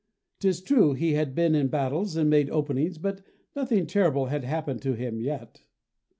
'Tis true he had been in battles and made openings, but nothing terrible had happened to him yet.